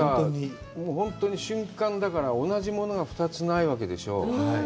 本当に瞬間だから、同じものが２つないわけでしょう。